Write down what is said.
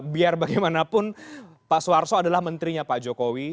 biar bagaimanapun pak soeharto adalah menterinya pak jokowi